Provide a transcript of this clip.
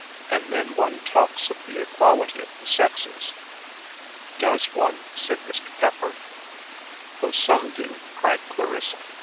And then one talks of the equality of the sexes!" "Does one?" said Mr. Pepper. "Oh, some do!" cried Clarissa.